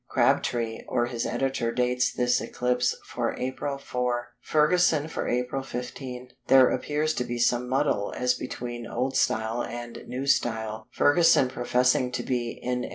Crabtree or his editor dates this eclipse for April 4; Ferguson for April 15. There appears to be some muddle as between "old style" and "new style." Ferguson professing to be N.